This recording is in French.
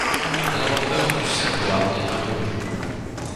L'inventeur du cervelas est inconnu.